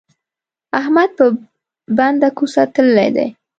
احمد په بنده کوڅه تللی دی.